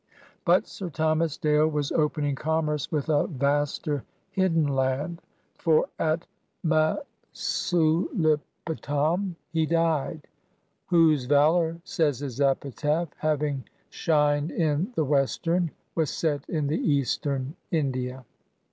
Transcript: But Sir Thomas Dale was opening commerce with a vBJSter, hidden land, for at Masulipatam he died. Whose valor 9 says his epitaph, having shined in the Westerner vma set in the Easteme India.